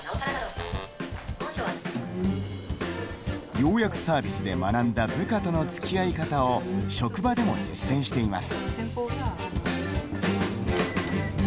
要約サービスで学んだ部下とのつきあい方を職場でも実践しています。